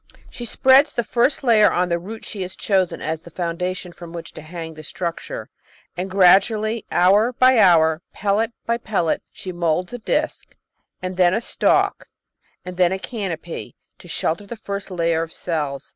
She spreads the first layer on the root she has chosen as the foundation from which to hang the struc ture, and gradually, hour by hour, pellet by pellet, she moulds a disc, and then a stalk, and then a canopy to shelter the first layer of cells.